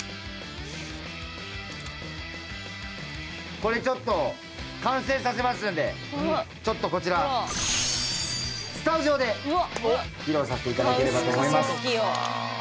これちょっと完成させますんでちょっとこちらスタジオで披露させて頂ければと思います。